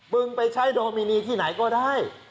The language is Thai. มึงไปใช้โดมินีที่ไหนก็ได้